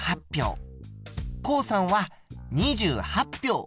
こうさんは２８票。